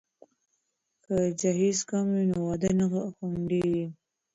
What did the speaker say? که جهیز کم وي نو واده نه ځنډیږي.